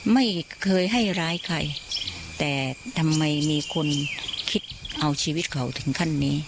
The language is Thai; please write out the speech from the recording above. ไม่เคยให้ร้ายใครแต่ทำไมมีคนคิดเอาชีวิตเขาถึงขั้นนี้